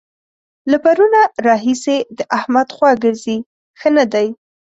له پرونه راهسې د احمد خوا ګرځي؛ ښه نه دی.